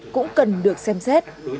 cũng cần được xem xét